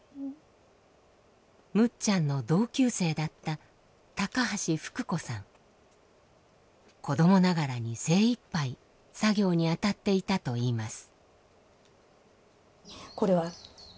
むっちゃんの同級生だった子どもながらに精いっぱい作業に当たっていたといいます。